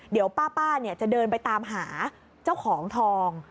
เดี๋ยวป้าจะเดินไปตามหาเจ้าของทอง